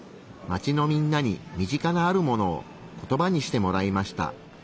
街のみんなに身近なあるものをコトバにしてもらいました。